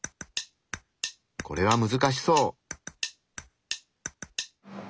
これは難しそう。